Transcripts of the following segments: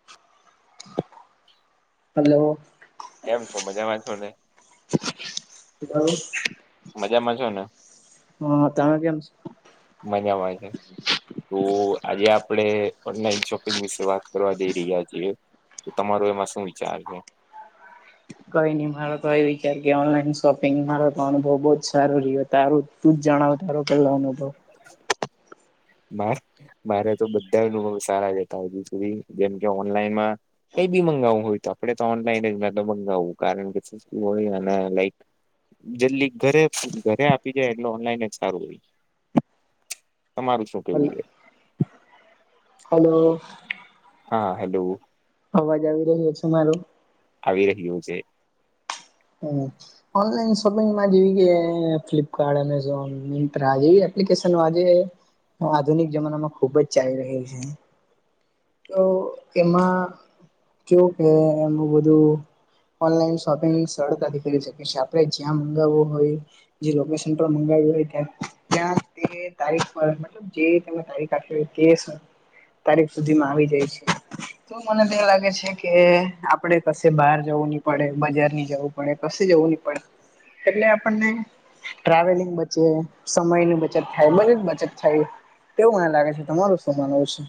[inaudible] હાલો. કેમ છો મજા માં છો ને? હલો. મજામાં છોને? તમે કેમ છો? મજામાં છે, તો આજે આપડે ઓનલાઈન શોપ વિશે વાત કરવા જઈ રહ્યા છીએ, તો તમારો એમાં શું વિચાર છે? કઈ નઈ મારો તો એ વિચાર કે ઓનલાઈન શોપિંગ મારો તો અનુભવ બહુ જ સારું રહ્યો તારું તું જ જણાવ તારો પેલો અનુભવ? [inaudible] માર મારે તો બધા લોકો સારા જતા હજુ સુધી જેમ કે ઓનલાઈનમાં. એ બી મંગાવવું હોય તો આપડે તો ઓનલાઈન જ ના તો મગાવવું કારણ કે હોયને લાઈક. જેટલી ઘરે ઘરે આપી જાય એટલે ઓનલાઈન જ સારું હોય. તમાર શું કેવું છે? હલો. હા હેલો. અવાજ આવી રહ્યો છે મારો? આવી રહ્યું છે. હમ. ઓનલાઈન શોપિંગમાં જેવી કે ફ્લિપકાર્ટ એમેઝોન મિ્રા જેવી એપ્લિકેશનજે. હ આધુનિક જમાનામાં ખુબ જ ચાલી રહ્યું છે. તો એમાં કેવું કે એનું બધું ઓનલાઈન શોપિંગ સરળતાથી કરી શકે છે આપણે જ્યાં મંગાવવું હોય. જે લોકેશન પર મંગાવ્યું હોય ત ત્યાં તે તારીખ પર. જે તને તારીખ તે તારીખ સુધીમાં આવી જાય છે. તો મને તો લાગે છે કે આપડે કશે બહાર જવું નહી પડે બજારની જવું પડે. પડે, ક જવું નહી પડે એટલે આપણને ટ્રાવેલિંગ બચે સમયની બચત થાય બધી જ બચત થાય. એવું મને લાગે છે તમારું શું માનવું છે?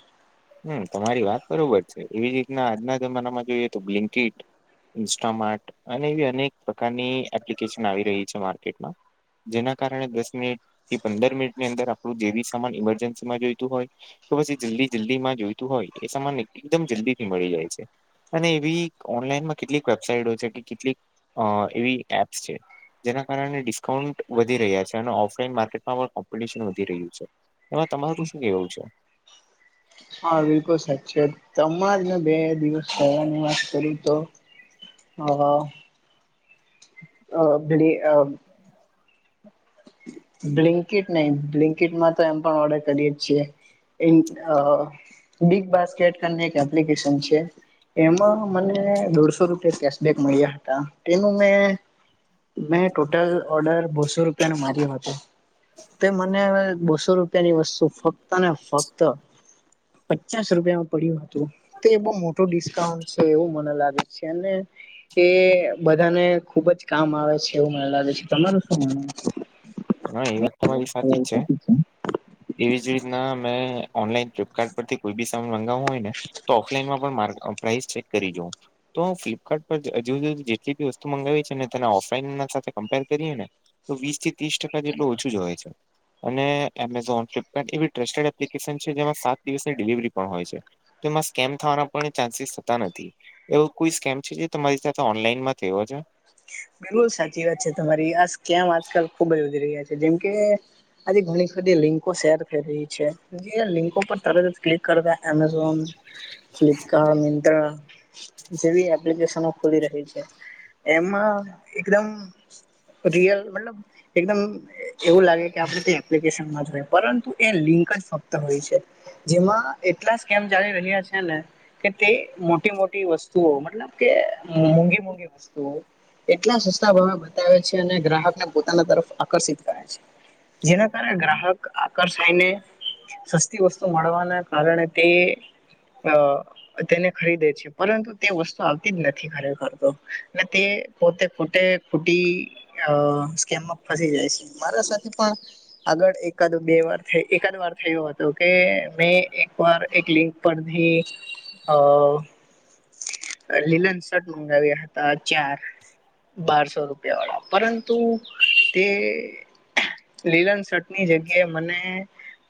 હમ તમારી વાત બરોબર છે એવી જ રીતના આજના જમાનામાં જોઈએ તો બ્લિકટ. ઇન્સ્ટામાર્ટ અને એવી અનેક પ્રકારની એપ્લિકેશન આવી રહી છે માર્કેટમાં જેના કારણે દસ મિનિટથી પંદર મિનિટની અંદર આપણું જેવી સામાન ઈમરજન્સીમાં જોઈતું હોય. તો બસ એ જલ્દી જલ્દી માં જોઈતું હોય એ સમાન એકદમ જલ્દી થી મળી જાય છે. અને એવી ઓનલાઈનમાં કેટલીક વેબસાઇટો છે કે કેટલીક એવી એપ્સ છે. જેના કારણે ડિસ્કાઉન્ટ વધી રહ્યા છે અને ઓફલાઈન માર્કેટમાં પણ કોમ્પિટિશન વધી રહ્યું છે. એમાં તમારું શું કેવું છે. હા બિલકુલ સાચ છે તમાર મે બે દિવસ થવાની વાત કરું તો હ હ. અ બ અ. બ્લિન્કટ નહ બ્લિન્કીટમાં તો એમ પણ ઓર્ડર કરીએ જ છીએ. બિગ બાસ્કેટ એક એપ્લિકેશન છે. એમાં મને દોઢસો રૂપિયા કેશબક મળ્યા હતા તેનું મે મેં ટોટલ ઓર્ડર બોસો રૂપિયા ન માર્યો હતો તો મને બોસો રૂપિયાની વસ્તુ ફક્ત ને ફક્ત પચાસ રૂપિયામાં પડ્યું હતું તો એ બહ મોટું ડિસ્કાઉન્ટ છે એવું મને લાગે છે અને એ બધાને ખુબ જ કામ આવે છે એવું મને લાગે છે તમારું શું માન હ એ વાત તો મારી સાચી જ છે એવીજ રીતના મેં ઓનલાઈન કાર પરથી કોઈ બી સામાન મંગાવવું હોય ને તો ઓફલાઈનમાં પણ પ્રાઇસ ચેક કરી જોવ તો હું ફ્લિપકાર્ટ પર હજુજુ જેટલી બી વસ્તુ મગાવી છે ને તેને ઓફલાઈન સાથે કમ્પેર કરીએ ને તો વીસ થી ત્રીસ ટકા જેટલું ઓછું જ હોય છે. અને એમેઝોન ફ્લિપકાર્ટ એવી ટ્રસ્ટેડ એપ્લિકેશન છે જેમાં સાત દિવસની ડિલિવરી પણ હોય છે. તો એમાં સ્કેમ થવાના પણ ચાન્સીસ થતા નથી એવો કોઈ સ્કેમ છે જે તમારી સાથે ઓનલાઈનમાં થવો છે. બિલકુલ સાચી વાત છે તમારી આ કેમ આજકાલ ખુબ જ વધી રહ્યા છે જેમ કે આજ ઘણી બધી લિંકો શેર કરી રહી છે. જે લિંકો પર તર ક્લિક કરતા અમેઝોન ફ્લિપકાર્ટ મિંત્રા જેવી એપ્લિકેશનો ખુલી રહી છે એમાં એકદમ રિયલ મતલબ એકદમ એવું લાગે કે આપણે એપ્લિકેશન જ હોય પરંતુ એ લિંક જ ફક્ત હોય છે. જેમાં એટલા કેમ ચાલી રહ્યા છે ને કે તે મોટી મોટી વસ્તુઓ મતલબ કે મોૂંઘી મોંઘી વસ્તુઓ કેટલા સસ્તા ભાવ બતાવે છે અને ગ્રાહકને પોતાના તરફ આકર્ષિત કરે છે. જેના કારણે ગ્રાહક આકર્ષાયને સસ્તી વસ્તુ મળવાના કારણે તે અ તેને ખરીદે છે પરંતુ તે વસ્તુ આવતી જ નથી ખરીદ કરતો અને તે પોતે ખૂટે ખૂટીકેમમાં ફસી જાય છે મારા સાથે પણ આગળ એકાદ બે વાર એકાદ વાર થયો હતો કે મેં એક વાર એક લિંક પડધ અ લીલન શર્ટ મંગાવ્યા હતા ચાર બારસો રૂપિયા વાળા પરંતુ એ લીલન શટની જગ્યાએ મને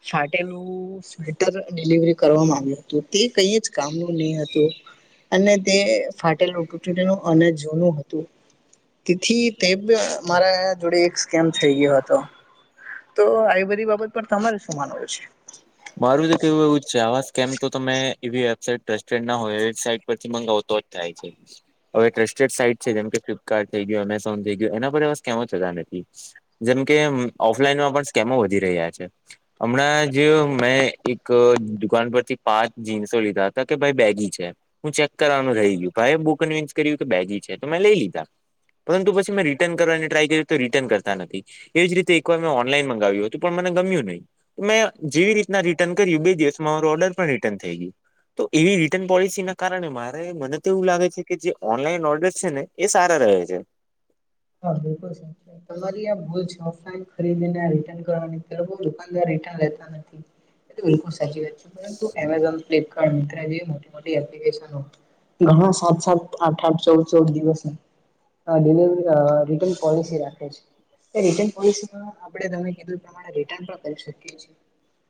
ફાટેલું સ્વેટર ડિલિવરી કરવામાં આવ્યું હતું તે કઈ જ કામનું નહી હતું અને તે ફાટેલુંનું અને જૂનું તેથી તે મારા જોડે એક સ્કેમ થઈ ગયો હતો તો આવી બધી બાબત પણ તમારે શું માનવું છે. મારું તો કેવું એવું જ છે આવા સ્કેમ તો તમે એવી વેબસાઇટ ટસ્ટેડ નાયઇટ પરથી મંગાવતોજ થાય છે. હવે ટ્રસ્ટેડ સાઈટ છે જેમ કે ફ્લિપકાર્ટ થઈ ગયું એમેઝોન થઈ ગયું એના પર બસ કેવ જતા નથી જેમકે ઓફલાઈનમાં પણ સ્કેમો વધી રહ્યા છે હમણાં જોયુ મેં એક દુકાન પરથી પાંચ જીન્સો લીધા હતા કે ભાઈ બેગી છે. હું ચેક કરવાનું રહી ગયું ભાઈ બુ કન્વિન્સ કર્યું કે બેગી છે તો મેં લઈ લીધા પરંતુ પછી મેં રિટર્ન કરવાની ટ્રાય કર તો રિટર્ન કરતા નથી એવી જ રીતે એકવાર મેં ઓનલાઈન મગાવ્યું હતું પણ મને ગમ્યું નહી, મેં જેવી રીતે ના રિટર્ન કર્યું બે દિવસમાં મારું ઓર્ડર પણ રિટર્ન થઈ ગયું. તો એવી રિટર્ન પોલિસી ના કારણે મારે મને તો એવું લાગે છે કે જે ઓનલાઈન ઓર્ડર છે ને. એ સારા રહે છે. હા બિલકુલ સ તમારી આ ભૂલ છે ઓલાન ખરીદીને રટન કરવાની દુાનદ રિટન લેતા નથી. બિલકુલ સાચી વાત છેંતુ એમેઝોન ફ્લપકાર મ જે મો મો એપ્લિકેશનો. ઘણા સાત સાત આઠ આઠ ચૌદ ચૌદ દિવસ, ડિલવરી અ રિટર્ન પોલિસી રાખે છે. રિટર્ન પોલિસીમાં આપણે તમે કીધું એ પ્રમાણે રિટર્ન પણ કરી શકીએ છીએ.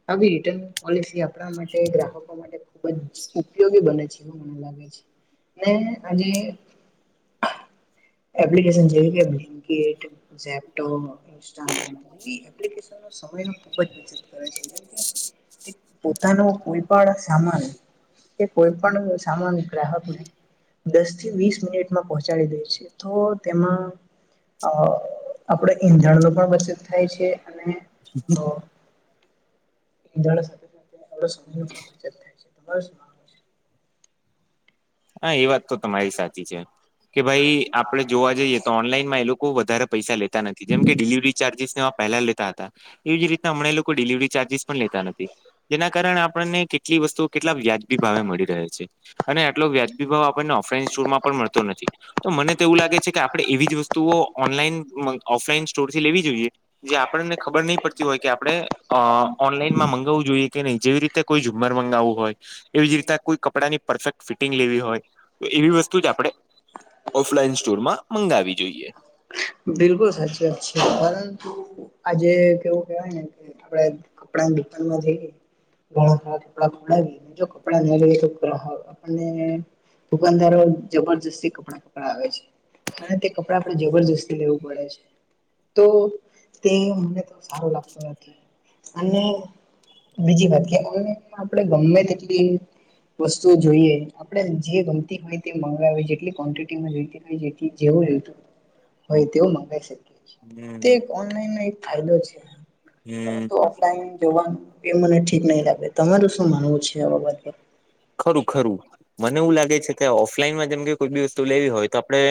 આવી રિટર્ન પોલિસી આપણા માટે ગ્રાહકો માટે ખૂબ જ ઉપયોગી બને છે એવ મને લાગે છે, ને આજે એ્ કેટપટોપ. ા માટે્લિક સમ ખુબ જ બચત કરે છે. પોતાનો કોઈ પણ સામાન. એ કોઈ પણ સામાન ગ્રાહક નહી. દસ થી વીસ મિનિટમાં પહોંચાડી દે છે તો તેમાં અ આપડ ઈંધણ ન પણ વચત થાય છે અને શ [unintelligible] ંધ સાથે સમય પણચ થાય છે, તમા હા એ વાત તો તમારી સાચી છે. કે ભાઈ આપડે જોવા જઈએ તો ઓનલાઈનમાં એ લોકો વધારે પૈસા લે નથી જેમ કે ડિલિવરી ચાર્જિસ ને પહેલા લેતા હતા. એવી જ રીતના હમણાં લોકો ડિલિવરી ચાર્જિસ પણ લેતા નથી. જેના કારણે આપણને કેટલી વસ્તુઓ કેટલા વ્યાજબી ભાવે મળી રહે છે, અને જી ભાવ આપને ઓફ સરમાં મળતો નથી, તો મ તો એવું લાગે છે કે આપણે એવી જ વસ્તુઓ ઓનલાઈન ઓફલાઈન સ્ટોર થી લેવી જોઈએ. જે આપણને ખબર નહી પડતી હોય કે આપણે ઓનલાઈનમાં મગાવવું જોઈએ. કે નહી જેવી રીતે કોઈ ઝુમર મગાવવું હોય, એવી જ રીતે કોઈ કપડા ની પરફેક્ટ ફિટિંગ લેવી હોય. તો એવી વસ્તુ જ આપણે ઓફલાઈન સ્ટોરમાં મંગાવી જોઈએ. બિલકુલ સાચી વાત છે પરંતુ આજે કેવું કેવાય ને કે. આપણે કપડાની દુકાનમાં જઈએ. ઘણા થાર કપડા ખોડ ગ જો કપડાં ના ગ તો ગ આપણને દુકાનદારો જબરજસ્તી કપડા પકડાવે છે, અને તે કપડા આપડે જબરજસ્તી લેવું પડે છે, તો તે મને તો સારો લાગતો નથી. અને બીજી વાત કે ઓનઈ આપણે ગમે તેટલી વસ્તુઓ જોઈએ. આપણે જે ગમતી હોય તે મગાવી જેટલી ક્વન્ટિટીમાં જતી હોય જે જેવું જોતું. હોય તેવું મગાવી શકીએ. તે હમ્મ ઓનલાઈન ન એક ફાયદો છે, પરંતુ હમ્મ ઓફલાઈન જોવાનું એ મને ઠીક નહી લાગે તમારું શું માનવું છે આ બાબતે? ખરું ખરું, મને એવું લાગે છે કે ઓફલાઈનમાં જેમ કે કોઈ બી વસ્તુ લેવી હોય તો આપડે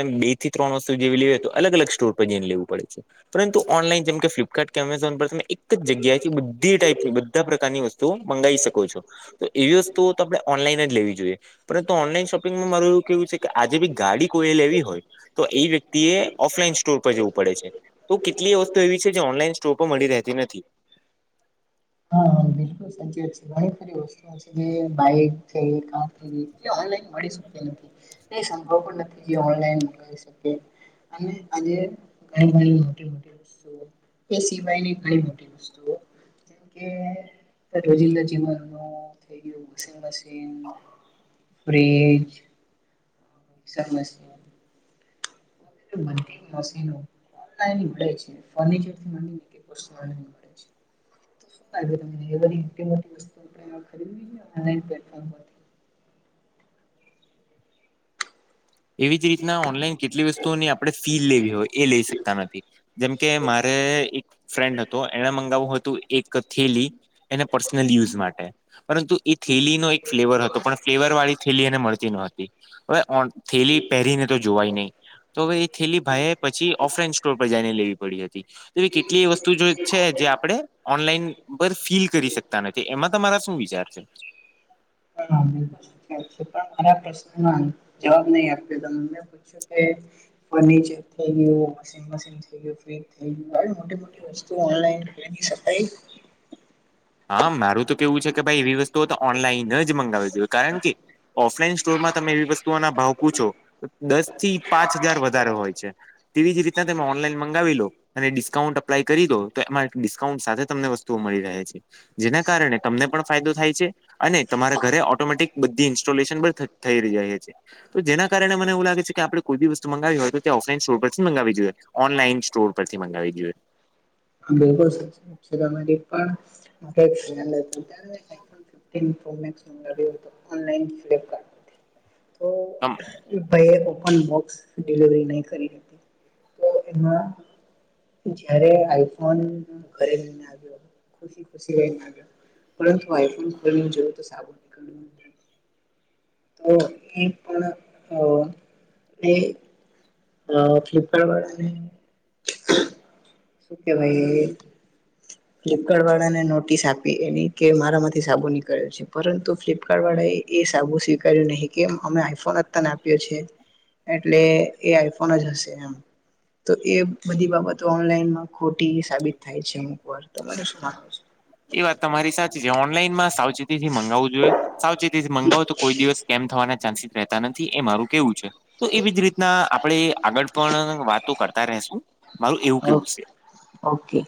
થી્રણ વસ્તુ જેવી લે હો તો અલગ અગ સ્ટોર પર જઈને લેવું પડે. પરંતુ ઓનલાઈન જેમ કે ફ્લિપકાર્ટ કે અમેઝોન પર તમે એક જગ્યાથી બધી ટાઈપની બધા પ્રકારની વસ્તુઓ મંગાવી શકો તેવી છો, તો એવી વસ્તુ ઓનલાઈન જ લેવી જોઈએ, પરંતુ ઓનલાઈન શોપિંગમાં માર એવું કેવું છે કે આજે બી ગાડી કોઈએ લેવી હોય. તો એ વ્યક્તિએ, ઓફલાઈન સ્ટોર પર જવું પડે છે. તો કેટલીએ વસ્તુ એવી છે જે ઓનલાઈન સ્ટોર પર મળી રેહતી નથી. હા હા બિલકુલ સાચત વસ્તુ કઈ મળી શક નથી. એ સંભવ પણ નથી જે ઓનલાઈન મંગાવી શકે. અને આજે ઘયલ ઘયલ હોટેલ વટેલ એ સિવાય ની ગણી બધી વસ્તુઓ જેમ કે રોજિંદા જીવનો થઇ વોશિંગ મશીન ફ્રીજ સમસ્યા એ બનતીન મશીનો ઓનલાઇન ઈ મળે. ફર્નીચર થી માંડી ને દરેક [unintelligible] મળે છે. [unintelligible] એ બધી એટી મોટી વસ્તુ આપડે ખરીદી લેવાય ઓનલાઇન પ્લેટફોર્મ પર? એવી જ રીતના ઓનલાઈન કેટલી વસ્તુઓની આપણે ફીલ લેવી હોય, એ લઈ શકતા નથી. જેમકે મારે એક ફ્રેન્ડ હતો એને મંગાવું હતું એક થેલી એને પર્સનલ યુઝ માટે. પરંતુ એ થેલીનો એક ફ્લેવર હતો પણ ફ્લેવર વાળી થેલી એને મળતી નોહતી. હવે ઓ થેલી પેહરીને તો જોવાય નહી, તો હવે એ થેલી ભાઈએ પછી ઓફલાઈન સ્ટોર પર જઈને લેવી પડી હતી. તો એ કેટલી એ વસ્તુ જો છે જે આપણે ઓનલાઈન પર ફીલ કરી શકતા નથી એમાં તમારા શું વિચાર છે? પણ હું એમ કઉ છું કે જે પણ મારા પ્રશ્નના જવાબ નહી આપ્યો. તમને મે ફર્નિચર થઈ ગ્યું, વોશિંગ મશિન થઈ ગ્યું, ફ્રી જ થઈ ગ્યું. આવી મોટી મોટી વસ્તુઓ ઓનલાઈનની ખરીદી શકાય? હા મારુ તો કેવું છે કે ભાઈ એવી વસ્તુઓ તો ઓનલાઈન જ મંગાવા જોઈએ કારણ કે ઓફલાઈન સ્ટોરમાં તમે એવી વસ્તુઓના ભાવ પૂછો, દસ થી પાંચ હજાર વધારે હોય છે. તેવી જ રીતના તમે ઓનલાઈન મગંગાવી લો અને ડિસ્કાઉન્ટ અપ્લાય કરી દો, તો એમાં ડિસ્કાઉન્ટ સાથે તમને વસ્તુઓ મળી રહે છે. જેના કારણે તમને પણ ફાયદો થાય છે અને તમારા ઘરે ઓટોમેટિક બધી ઇન્સ્ટોલેશન પણ થ થઈ જાય છે. તો જેના કારણે મને એવું લાગે છે આપણે કોઈ બી વસ્તુ મંગાવી હોય તો તે ઓફલાઈન સ્ટોર પરથી મગાવવી જોઈએ, ઓનલાઈન સ્ટોર પરથી મંગાવવી જોઈએ. બિલકુલ સાચી વાત છે તમારી પણ [unintelligible] તીન પ્રો મેક્સ મંગાવ્યો હતો ઓનલાઈન ફ્લિપકાર્ટ પર થી તો તમેં ઈ ભાઈએ ઓપન બોક્સ ડિલિવરી નહી કરી હતી. તો એમાં જ્યારે આઈ ફોન ઘરે લઈને આવ્યો હ ખુશી ખુશી રઈને આવ્યા હતો, પરંતુ આઈ ફોન ખોલીને જોયો તો સાબુ નીકળ્યો તો ઈ પણ એ અ અ ફ્લિપકાર્ટ વાળા ને, શું કેવાય? ફ્લિપકાર્ટ વાળાને નોટિસ આપી એની કે મારામાંથી સાબુ નીકળ્યો છે પરંતુ ફ્લિપકાર્ટ વાળા એ એ સાબુ સ્વીકાર્યું નહી કે એમ અમે આઈ ફોન જ આપ્યો છે. એટલે એ આઈફોન જ હશે એમ. તો એ બધી બાબતો ઓનલાઈનમાં ખોટી સાબિત થાય છે અમુક વાર તમારે શું માનવું છે? એ વાત તમારી સાથે છે ઓનલાઈન માં સાવ ચેતી થી મગાવું જોઈએ, સાવચેતીથી માવો તો કોઈ દિવસ સ્મ થવાના ચાન્સ રેહતા નથી એ મારું કેવું છે. તો એવી જ રીતના આપણેે આગળ પણ વાતો કરતા રેહશું મારું એવું ઓ કેવું છે. ઓકે.